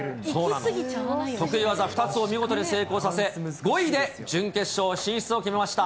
得意技２つを見事に成功させ、５位で準決勝進出を決めました。